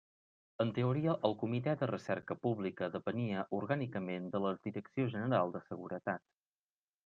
En teoria el Comitè de Recerca Pública depenia orgànicament de la Direcció General de Seguretat.